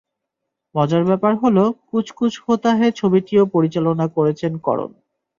মজার ব্যাপার হলো, কুছ কুছ হোতা হ্যায় ছবিটিও পরিচালনা করেছেন করণ।